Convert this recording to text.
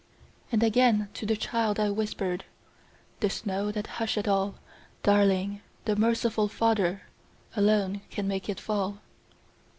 And again to the child I whispered, 'The snow that husheth all, Darling, the merciful Father Alone can make it fall!'